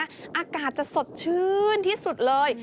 อากาศจะสดชื่นที่สุดเลย